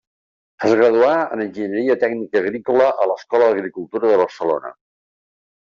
Es graduà en Enginyeria Tècnica Agrícola a l'Escola d'Agricultura de Barcelona.